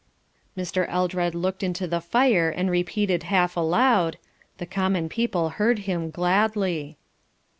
Mr. Eldred looked into the fire and repeated half aloud, "The common people heard Him gladly."